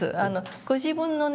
ご自分のね